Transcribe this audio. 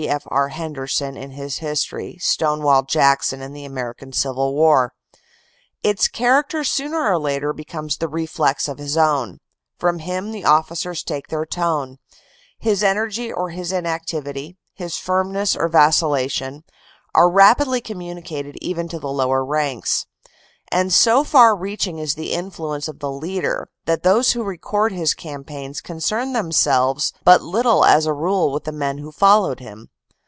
G. F. R. Henderson in his history, Stonewall Jackson and the American Civil War. "Its char THE CORPS COMMANDER 289 acter sooner or later becomes the reflex of his own; from him the officers take their tone; his energy or his inactivity, his firmness or vacillation, are rapidly communicated even to the lower ranks; and so far reaching is the influence of the leader, that those who record his campaigns concern themselves but little as a rule with the men who followed him.